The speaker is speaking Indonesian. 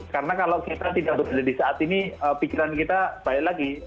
karena kalau kita tidak berada di saat ini pikiran kita baik lagi